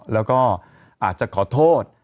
แล้วก็อาจจะขอโทษ